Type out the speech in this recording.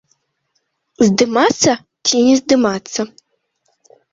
Здымацца ці не здымацца?